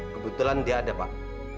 kebetulan dia ada pak